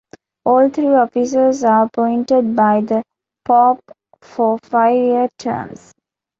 All three officers are appointed by the pope for five-year terms.